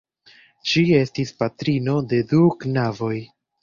Ŝi estis patrino de du knaboj.